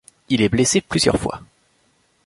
Il est blessé plusieurs fois.